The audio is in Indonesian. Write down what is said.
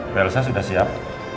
bu elsa sudah siap